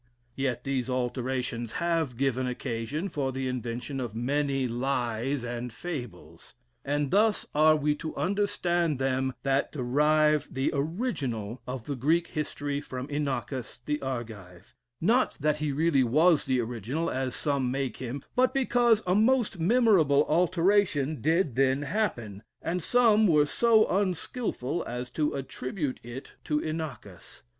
Yet these alterations have given occasion for the invention of many lies and fables. And thus are we to understand them that derive the original of the Greek history from Inachus, the Argive; not that he really was the original, as some make him, but because a most memorable alteration did then happen, and some were so unskilful as to attribute it to Inachus....